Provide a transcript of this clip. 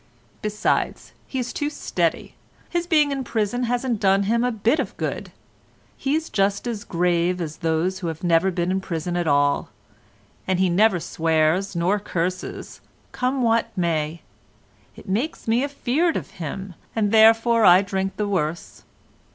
Besides he is too steady: his being in prison hasn't done him a bit of good—he's just as grave as those as have never been in prison at all, and he never swears nor curses, come what may; it makes me afeared of him, and therefore I drink the worse.